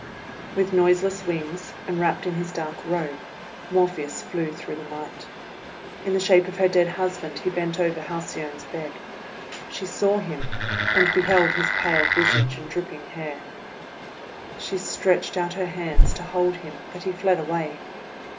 With noiseless wings, and wrapped in his dark robe, Morpheus flew through the night. In the THE HALCYON BIRDS 267 shape of her dead husband, he bent over Hal ey one's bed. She saw him, and beheld his pale visage and dripping hair. She stretched out her hands to hold him, but he fled away.